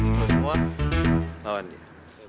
kalau semua lawan dia